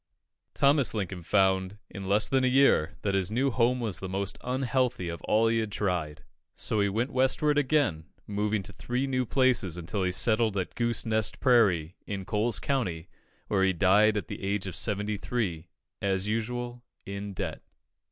Thomas Lincoln found, in less than a year, that his new home was the most unhealthy of all he had tried. So he went Westward again, moving to three new places until he settled at Goose Nest Prairie, in Coles County, where he died at the age of seventy three, "as usual, in debt."